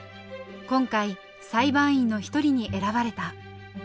今回裁判員の一人に選ばれた。